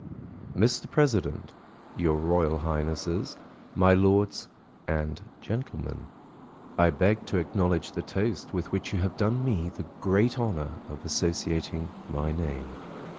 ] MR. PRESIDENT, your Royal Highnesses, my Lords and Gentlemen,—I beg to acknowledge the toast with which you have done me the great honour of associating my name.